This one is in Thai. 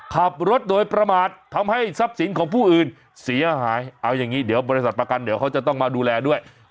ขับรถโดยประมาททำให้ทรัพย์สินของผู้อื่นเสียหายเอาอย่างนี้เดี๋ยวบริษัทประกันเดี๋ยวเขาจะต้องมาดูแลด้วย